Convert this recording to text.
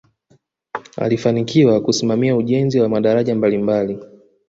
alifanikiwa kusimamia ujenzi wa madaraja mbalimbali